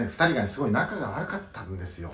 すごい仲が悪かったんですよ